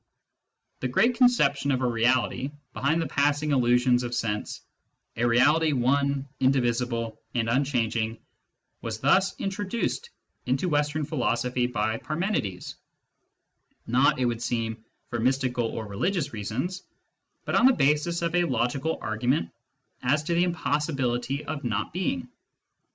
The great conception of a reality behind the passing illusions of sense, a reality one, indivisible, and unchang ing, was thus introduced into Western philosophy by Parmenides, not, it would seem, for mystical or religious reasons, but on the basis of a logical argument as to the impossibility of not being.